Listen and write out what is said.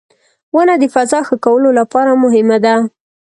• ونه د فضا ښه کولو لپاره مهمه ده.